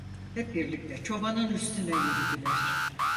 Hep birlikte çobanın üstüne yürüdüler.